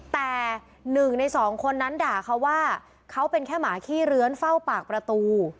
แต่หนึ่งในสองคนนั้นด่าเขาว่าเขาเป็นแค่หมาขี้เลื้อนเฝ้าปากประตู